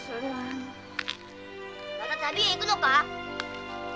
また旅へ行くのか！